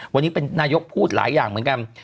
วันนี้เป็นนายกพูดหลายอย่างเหมือนกัน